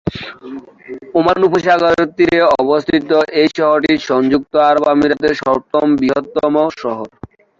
Oman উপসাগরের তীরে অবস্থিত এই শহরটি সংযুক্ত আরব আমিরাতের সপ্তম বৃহত্তম শহর।